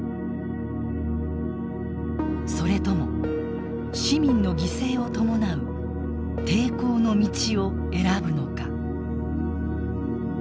それとも市民の犠牲を伴う抵抗の道を選ぶのか。